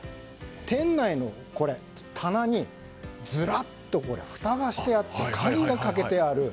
店内の棚にずらっとふたがしてあって鍵がかけてある。